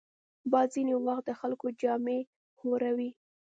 باد ځینې وخت د خلکو جامې ښوروي